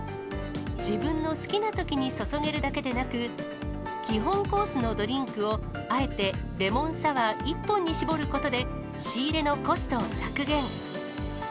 自分の好きなときに注げるだけでなく、基本コースのドリンクを、あえてレモンサワー１本に絞ることで仕入れのコストを削減。